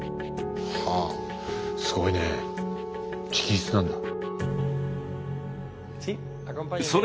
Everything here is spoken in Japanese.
はあすごいね直筆なんだ？